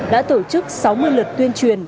đã tổ chức sáu mươi lượt tuyên truyền